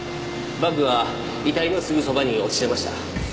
バッグは遺体のすぐそばに落ちてました。